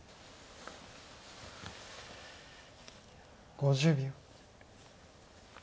５０秒。